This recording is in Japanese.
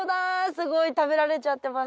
すごい食べられちゃってますね。